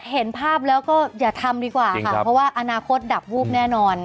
เห็นภาพแล้วก็อย่าทำดีกว่าค่ะเพราะว่าอนาคตดับวูบแน่นอน